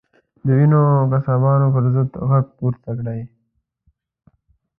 د وینو قصابانو پر ضد غږ پورته کړئ.